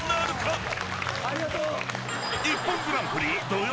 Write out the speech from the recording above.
［『ＩＰＰＯＮグランプリ』土曜夜９時］